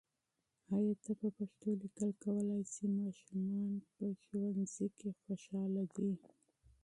آیا ته په پښتو لیکل کولای سې؟ ماشومان په ښوونځي کې خوشاله دي.